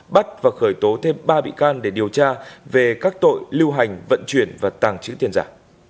bắt và khởi tố thêm ba bị can để điều tra về các tội lưu hành vận chuyển và tàng trữ tiền giả